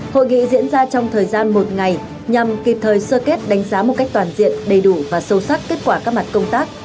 hội nghị diễn ra trong thời gian một ngày nhằm kịp thời sơ kết đánh giá một cách toàn diện đầy đủ và sâu sắc kết quả các mặt công tác